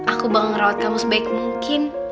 aku bakal merawat kamu sebaik mungkin